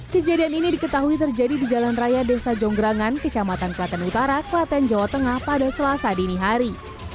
kejadian ini diketahui terjadi di jalan raya desa jonggrangan kecamatan klaten utara klaten jawa tengah pada selasa dini hari